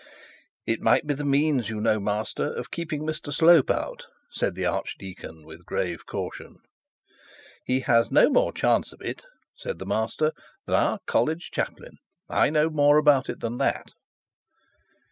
'It might be the means, you know, Master, of keeping Mr Slope out,' said the archdeacon with grave caution. 'He has no more chance of it,' said the master, 'that our college chaplain. I know about it than that.'